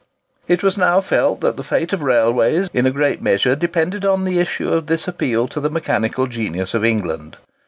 It was now felt that the fate of railways in a great measure depended upon the issue of this appeal to the mechanical genius of England.